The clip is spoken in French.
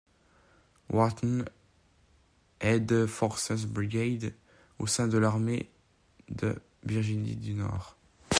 Wharton, et de Forsberg Brigade, au sein de l'armée de Virginie du Nord.